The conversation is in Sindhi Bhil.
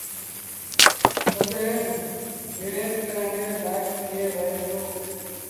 تڏهيݩ وهير ڪرڻ ري لآئيڪ ٿئي وهي دو